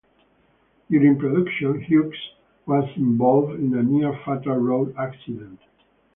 During production, Hughes was involved in a near-fatal road accident.